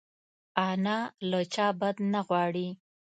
انا له چا بد نه غواړي